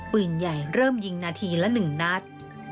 ปืนใหญ่เริ่มยิงนาทีละ๑นัด